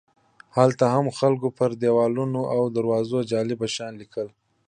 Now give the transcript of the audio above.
هلته هم خلکو پر دیوالونو او دروازو جالب شیان لیکل.